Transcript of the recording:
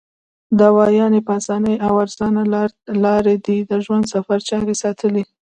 د دوايانو پۀ اسانه او ارزانه لار دې د ژوند سفر جاري ساتي -